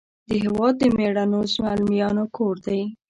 د هیواد د میړنو زلمیانو کور دی .